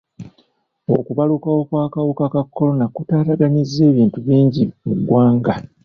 Okubalukawo kw'akawuka ka kolona kutaataaganyizza ebintu bingi mu ggwanga.